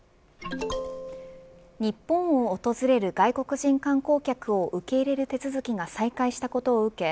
日本を訪れる外国人観光客を受け入れる手続きが再開したことを受け